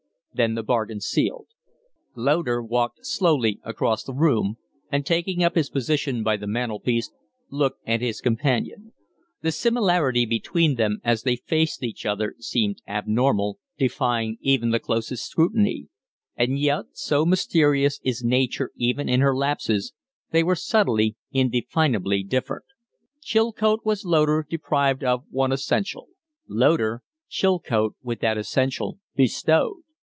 "Then the bargain's sealed." Loder walked slowly across the room, and, taking up his position by the mantel piece, looked at his companion. The similarity between them as they faced each other seemed abnormal, defying even the closest scrutiny. And yet, so mysterious is Nature even in her lapses, they were subtly, indefinably different. Chilcote was Loder deprived of one essential: Loder, Chilcote with that essential bestowed.